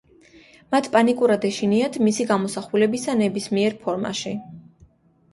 მათ პანიკურად ეშინიათ მისი გამოსახულებისა ნებისმიერ ფორმაში.